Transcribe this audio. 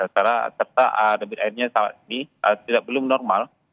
karena serta debit airnya saat ini belum normal